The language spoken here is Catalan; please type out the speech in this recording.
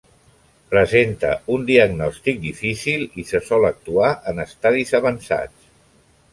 Presenta un diagnòstic difícil i se sol actuar en estadis avançats.